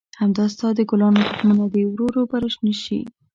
همدا ستا د ګلانو تخمونه دي، ورو ورو به را شنه شي.